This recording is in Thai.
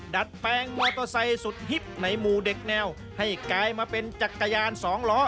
ดัดแปลงมอเตอร์ไซค์สุดฮิตในหมู่เด็กแนวให้กลายมาเป็นจักรยานสองล้อ